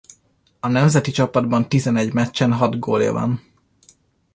A nemzeti csapatban tizenegy meccsen hat gólja van.